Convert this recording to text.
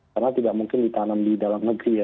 karena tidak mungkin ditanam di dalam negeri ya